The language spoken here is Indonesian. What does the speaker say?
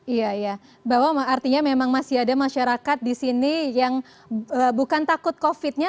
iya iya bahwa artinya memang masih ada masyarakat di sini yang bukan takut covidnya tapi lebih takut covid sembilan belas ya